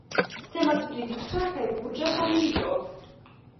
Temas pri riĉa kaj burĝa familio.